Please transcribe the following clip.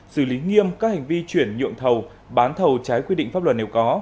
xử lý nghiêm các hành vi chuyển nhượng thầu bán thầu trái quy định pháp luật nếu có